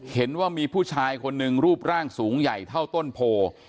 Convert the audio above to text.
เห็นว่ามีผู้ชายคนหนึ่งรูปร่างสูงใหญ่เท่าต้นโพ